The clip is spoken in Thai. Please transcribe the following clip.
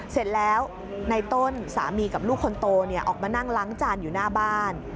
เสร็จแล้วในต้นสามีกับลูกคนโตออกมานั่งล้างจานอยู่หน้าบ้าน